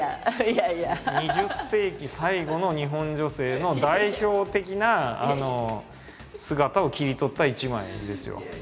２０世紀最後の日本女性の代表的な姿を切り取った一枚ですよ。